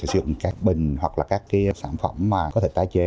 sử dụng các bình hoặc các sản phẩm có thể tái chế